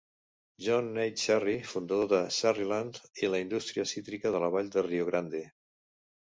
John H. Shary, fundador de Sharyland, i la indústria cítrica de la Vall de Rio Grande.